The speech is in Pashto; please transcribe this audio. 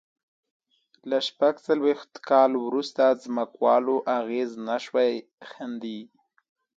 له شپږ څلوېښت کال وروسته ځمکوالو اغېز نه شوای ښندي.